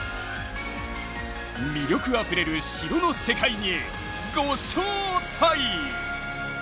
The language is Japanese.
魅力あふれる城の世界にご招待！